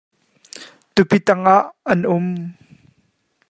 Tupi tang ah an um.